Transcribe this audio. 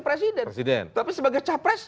presiden tapi sebagai capres